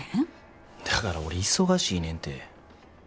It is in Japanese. だから俺忙しいねんて。